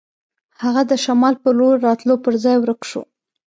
هغه د شمال په لور راتلو پر ځای ورک شو.